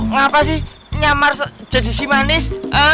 ngapa sih nyamar jadi si manis